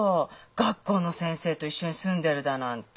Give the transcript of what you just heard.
学校の先生と一緒に住んでるだなんて。